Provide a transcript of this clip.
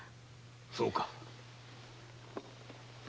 そうか。